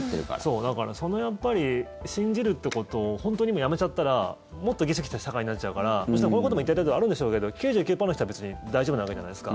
だから、やっぱり信じるってことを本当にやめちゃったらもっとギスギスした社会になっちゃうからもちろん、こういうことも一定程度あるんでしょうけど９９％の人は別に大丈夫なわけじゃないですか。